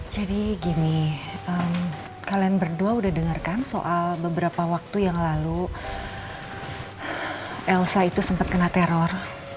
jadi gini kalian berdua udah denger kan soal beberapa waktu yang lalu elsa itu sempat kena teror